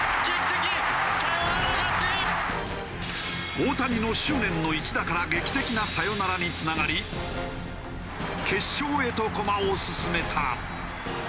大谷の執念の一打から劇的なサヨナラにつながり決勝へと駒を進めた。